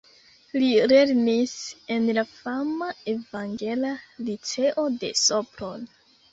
Li lernis en la fama Evangela Liceo de Sopron.